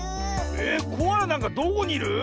えっコアラなんかどこにいる？